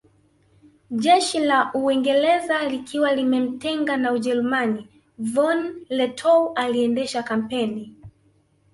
Jeshi la Uingereza likiwa limemtenga na Ujerumani von Lettow aliendesha kampeni